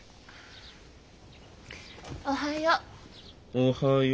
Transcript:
おはよう。